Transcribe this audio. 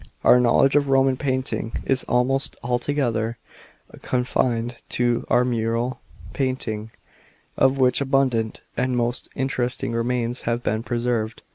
— Our knowledge of Roman painting is almost altogether confined to mural painting, of which abundant and most interesting remains have been preserved.